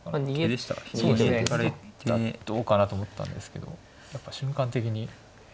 逃げられてどうかなと思ったんですけどやっぱ瞬間的に。